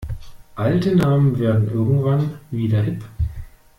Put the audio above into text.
Alte Namen werden irgendwann wieder hip.